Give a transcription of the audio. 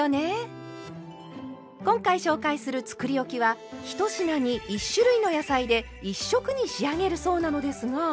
今回紹介するつくりおきは１品に１種類の野菜で１色に仕上げるそうなのですが。